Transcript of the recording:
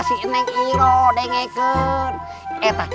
ini iroh dengarkan